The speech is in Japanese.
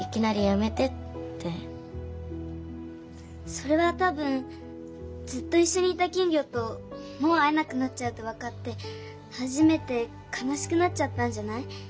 それはたぶんずっといっしょにいた金魚ともう会えなくなっちゃうってわかってはじめてかなしくなっちゃったんじゃない？